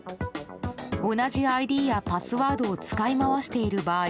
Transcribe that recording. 同じＩＤやパスワードを使い回している場合